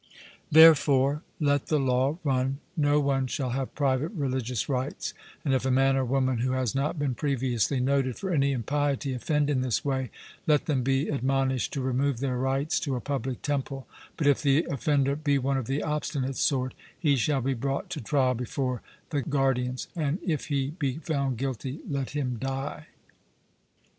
Therefore let the law run: No one shall have private religious rites; and if a man or woman who has not been previously noted for any impiety offend in this way, let them be admonished to remove their rites to a public temple; but if the offender be one of the obstinate sort, he shall be brought to trial before the guardians, and if he be found guilty, let him die.